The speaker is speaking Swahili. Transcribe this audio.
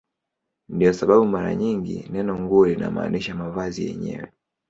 Ndiyo sababu mara nyingi neno "nguo" linamaanisha mavazi yenyewe.